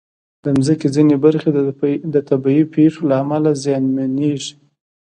د مځکې ځینې برخې د طبعي پېښو له امله زیانمنېږي.